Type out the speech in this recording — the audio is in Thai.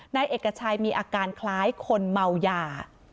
นายเอกชัยมีอาการคล้ายคนเมายา